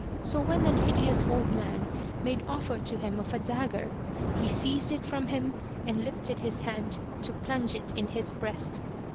So when that hideous old man made offer to him of a dagger, he seized it from him and lifted his hand to plunge it in his breast.